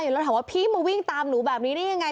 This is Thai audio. แล้วถามว่าพี่มาวิ่งตามหนูแบบนี้ได้ยังไง